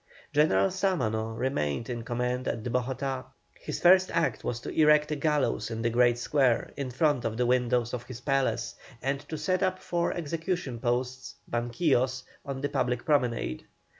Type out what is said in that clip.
General Sámano remained in command at Bogotá. His first act was to erect a gallows in the great square, in front of the windows of his palace, and to set up four execution posts (banquillos) on the public promenade.